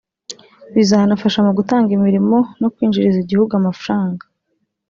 Bizanafasha mu gutanga imirimo no kwinjiriza igihugu amafaranga